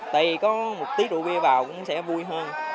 tại vì có một tí rượu bia vào cũng sẽ vui hơn